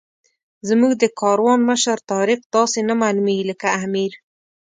زموږ د کاروان مشر طارق داسې نه معلومېږي لکه امیر.